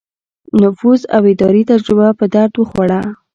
نفوذ او اداري تجربه په درد وخوړه.